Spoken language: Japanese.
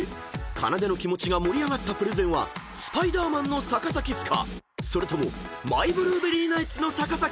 かなでの気持ちが盛り上がったプレゼンは『スパイダーマン』の逆さキスかそれとも『マイ・ブルーベリー・ナイツ』の逆さキスか］